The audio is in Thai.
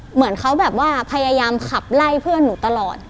เหมือนเขาแบบว่าพยายามขับไล่เพื่อนหนูตลอด